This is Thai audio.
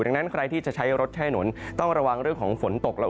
ดังนั้นใครที่จะใช้รถใช้ถนนต้องระวังเรื่องของฝนตกแล้ว